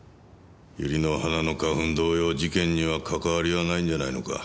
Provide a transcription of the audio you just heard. ユリの花の花粉同様事件にはかかわりはないんじゃないのか？